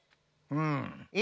うん？